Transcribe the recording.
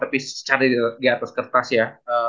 tapi secara di atas kertas ya